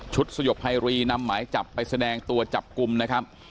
ชุดสยบภัยรี่นำใหม่จับไปแสดงตัวจับกลุ่มนะครับ